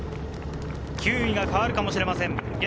９位が変わるかもしれません。